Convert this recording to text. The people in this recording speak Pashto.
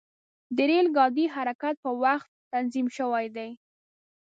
د ریل ګاډي حرکت په وخت تنظیم شوی دی.